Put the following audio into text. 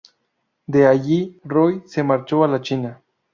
De allí, Roy se marchó a la China.